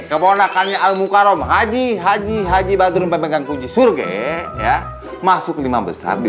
keponakan almukharom haji haji haji badrun pemegang kunci surga ya masuk lima besar di